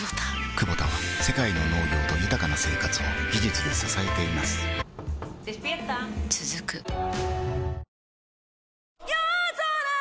クボタは世界の農業と豊かな生活を技術で支えています起きて。